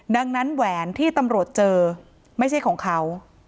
ดังนั้นแหวนที่ตำรวจเจอไม่ใช่ของเขา